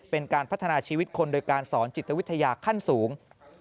เป็นการพัฒนาชีวิตคนโดยการสอนจิตวิทยาขั้นสูง